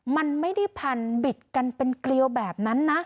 มันไม่ได้พันบิดกันเป็นเกลียวแบบนั้นนะ